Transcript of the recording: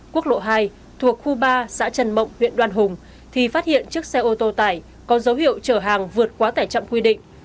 quốc lộ hai thuộc khu ba xã trần mộng huyện đoàn hùng thì phát hiện chiếc xe ô tô tải có dấu hiệu chở hàng vượt quá tải trọng quy định